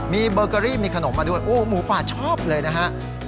มีเบอร์เกอรี่มีขนมมาด้วยโอ้หมูป่าชอบเลยนะฮะ